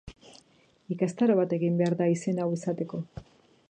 Ikastaro bat egin behar da izen hau esateko.